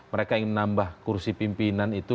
mereka ingin menambah kursi pimpinan itu